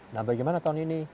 nah bagaimana tahun ini